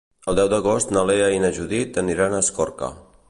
El deu d'agost na Lea i na Judit aniran a Escorca.